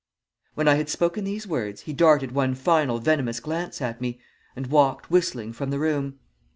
"When I had spoken these words he darted one final venomous glance at me, and walked whistling from the room.